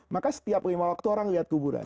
maka setiap lima waktu orang lihat kuburan